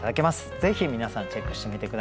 ぜひ皆さんチェックしてみて下さい。